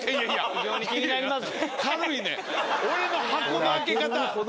非常に気になります。